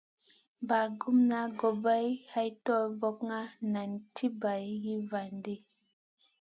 Bagumna gobay hay torbokna nam ti bay hin va ɗi.